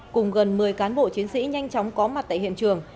cùng gần một mươi cán bộ chiến sĩ nhanh chóng có mặt tại hiện trường